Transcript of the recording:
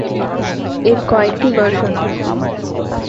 এর কয়েকটি ভার্সন রয়েছে।